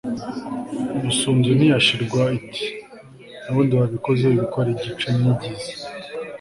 busunzu ntiyashirwa iti n'ubundi wabikoze wibikora igice! nyigiza